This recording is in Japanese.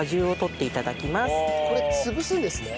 これ潰すんですね。